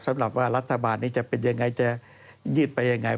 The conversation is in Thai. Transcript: สำหรับว่ารัฐบาลนี้จะเป็นยังไงจะยืดไปยังไง